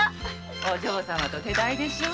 お嬢様と手代でしょ。